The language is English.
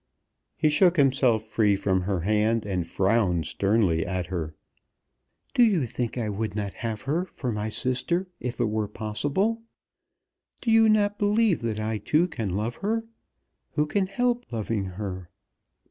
He shook himself free from her hand, and frowned sternly at her. "Do you think I would not have her for my sister, if it were possible? Do you not believe that I too can love her? Who can help loving her?"